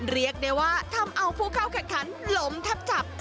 เรียกได้ว่าทำเอาผู้เข้าแข่งขันล้มทับจับ